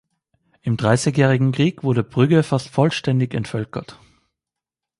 Im Dreißigjährigen Krieg wurde Brügge fast vollständig entvölkert.